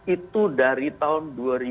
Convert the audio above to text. itu dari tahun dua ribu dua